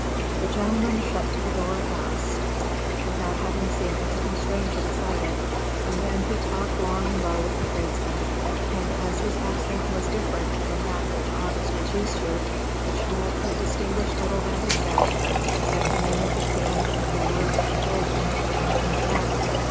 The gentleman shut to the door at length, without having seen anything strange inside it; and then he talked long and low with the tradesmen, and, as his accent was different from that which August was used to, the child could distinguish little that he said, except the name of the king and the word "gulden" again and again.